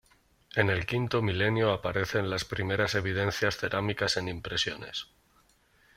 En el V milenio aparecen las primeras evidencias cerámicas en impresiones.